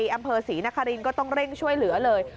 อำเภอศรีนครินก็ต้องเร่งช่วยเหลือเลย